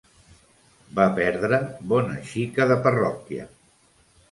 Va perdre bona xica de parròquia